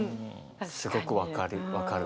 すごく分かる。